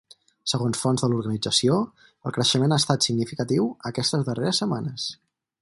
Segons fonts de l’organització, el creixement ha estat significatiu aquestes darreres setmanes.